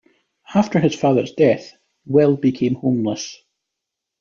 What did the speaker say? After his father's death, Weil became homeless.